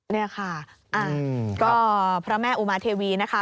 นี่ค่ะก็พระแม่อุมาเทวีนะคะ